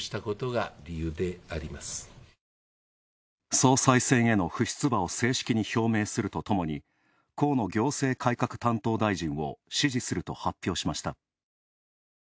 総裁選への不出馬を正式に表明するとともに河野行政改革担当大臣を支持すると発表しました。